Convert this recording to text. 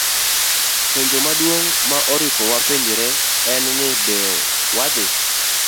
Penjo maduong' ma oripo wapenjre en ni be wadhi